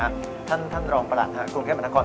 ท่านรองประหลัดกรุงเทพมหานคร